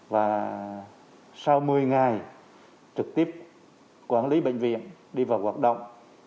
và sau một mươi ngày trực tiếp quản lý bệnh viện đi vào hoạt động